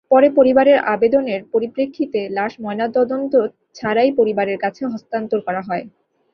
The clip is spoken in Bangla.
পরে পরিবারের আবেদনের পরিপ্রেক্ষিতে লাশ ময়নাতদন্ত ছাড়াই পরিবারের কাছে হস্তান্তর করা হয়।